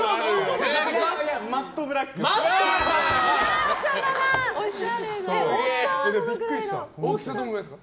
マットブラックです。